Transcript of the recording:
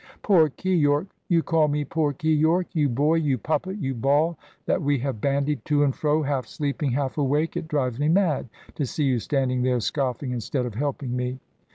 "Poor Keyork? You call me poor Keyork? You boy! You puppet! You ball, that we have bandied to and fro, half sleeping, half awake! It drives me mad to see you standing there, scoffing instead of helping me!"